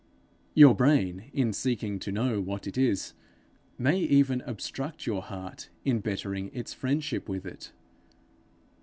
Your brain in seeking to know what it is, may even obstruct your heart in bettering its friendship with it.